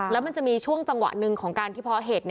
แล้วมันจะมีช่วงจังหวะหนึ่งของการที่เพาะเหตุ